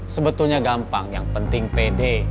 sebetulnya gampang yang penting pede